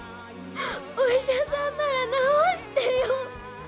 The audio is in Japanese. お医者さんなら治してよ。